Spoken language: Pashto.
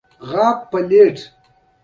مس د افغانستان د جغرافیایي موقیعت پایله ده.